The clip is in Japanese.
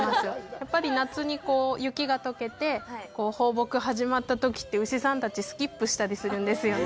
やっぱり夏に雪が溶けて放牧始まったときって牛さんたちスキップしたりするんですよね。